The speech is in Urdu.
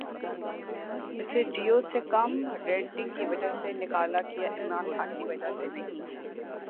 اسے جیو سے کم ریٹننگ کی وجہ سے نکالا گیا، عمران خان کی وجہ سے نہیں